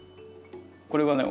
これはね